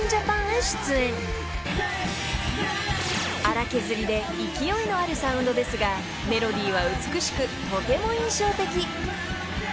［粗削りで勢いのあるサウンドですがメロディーは美しくとても印象的］